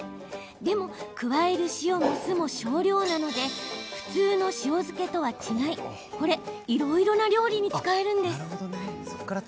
でも、加える塩も酢も少量なので普通の塩漬けとは違いいろいろな料理に使えるんです。